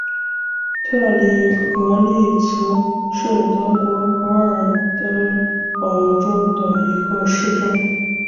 特里格利茨是德国勃兰登堡州的一个市镇。